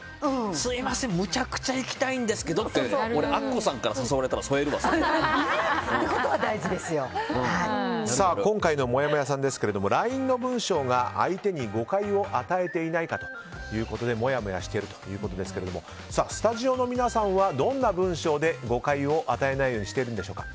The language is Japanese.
すみません、めちゃくちゃ行きたいんですけどって俺、アッコさんから誘われたら今回のもやもやさんですがＬＩＮＥの文章が相手に誤解を与えていないかということでもやもやしているということですがスタジオの皆さんはどんな文章で誤解を与えないようにしているのでしょうか。